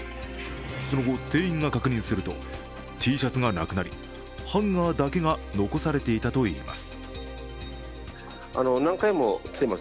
その後、店員が確認するとＴシャツがなくなり、ハンガーだけが残されていたといいます。